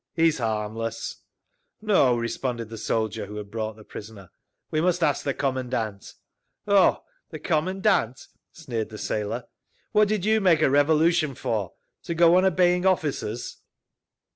"He's harmless…." "No," responded the soldier who had brought the prisoner. "We must ask the commandant." "Oh, the commandant!" sneered the sailor. "What did you make a revolution for? To go on obeying officers?"